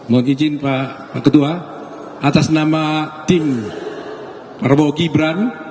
mohon izin pak ketua atas nama tim prabowo gibran